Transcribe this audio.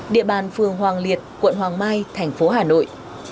địa bàn phường hoàng liệt quận hoàng mai thành phố hà nội